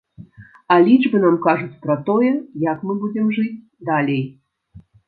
А лічбы нам кажуць пра тое, як мы будзем жыць далей.